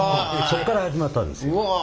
そっから始まったんですよ。